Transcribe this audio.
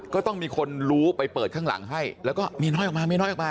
ก็ต้องมีคนรู้ไปเปิดข้างหลังให้แล้วก็เมียน้อยออกมาเมียน้อยออกมา